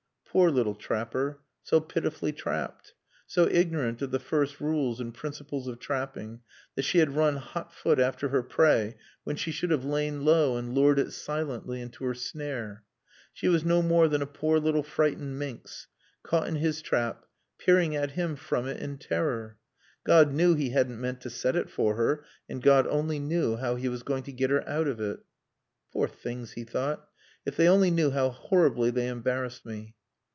Poor little trapper, so pitifully trapped; so ignorant of the first rules and principles of trapping that she had run hot foot after her prey when she should have lain low and lured it silently into her snare. She was no more than a poor little frightened minx, caught in his trap, peering at him from it in terror. God knew he hadn't meant to set it for her, and God only knew how he was going to get her out of it. "Poor things," he thought, "if they only knew how horribly they embarrass me!"